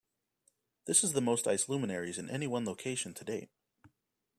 This is the most ice luminaries in any one location to date.